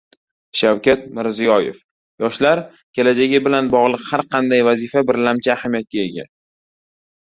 Shavkat Mirziyoyev: Yoshlar kelajagi bilan bog‘liq har qanday vazifa birlamchi ahamiyatga ega